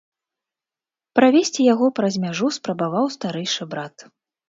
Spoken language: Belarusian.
Правесці яго праз мяжу спрабаваў старэйшы брат.